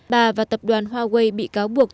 bà và tập đoàn huawei bị cáo buộc